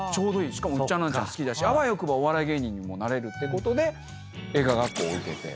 ウッチャンナンチャン好きだしあわよくばお笑い芸人になれるってことで映画学校を受けて。